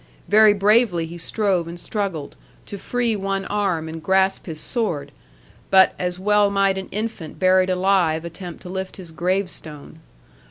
Very bravely he strove and struggled, to free one arm and grasp his sword; but as well might an infant buried alive attempt to lift his gravestone.